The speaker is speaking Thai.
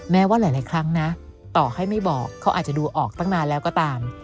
แม้ว่าหลายครั้งนะต่อให้ไม่บอกเขาอาจจะดูออกตั้งนานแล้วก็ตาม